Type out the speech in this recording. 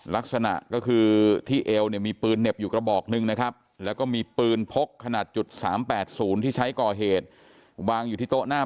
ลักษณะก็คือที่เอวเนี่ยมีปืนเหน็บอยู่กระบอกหนึ่งนะครับแล้วก็มีปืนพกขนาด๓๘๐ที่ใช้ก่อเหตุ